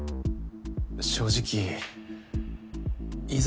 正直いざ